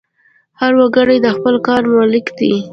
هر وګړی د خپل کار مالک دی.